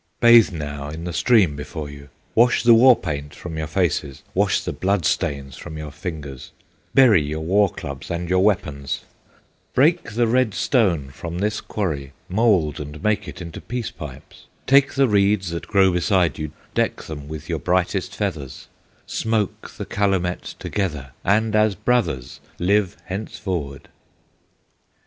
"Bathe now in the stream before you, Wash the war paint from your faces, Wash the blood stains from your fingers, Bury your war clubs and your weapons, Break the red stone from this quarry, Mould and make it into Peace Pipes, Take the reeds that grow beside you, Deck them with your brightest feathers, Smoke the calumet together, And as brothers live henceforward!"